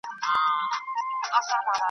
¬ د خالي توپکه دوه کسه بېرېږي.